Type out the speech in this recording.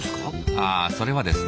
あそれはですね